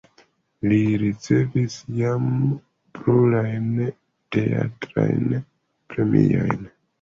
Li ricevis jam plurajn teatrajn premiojn.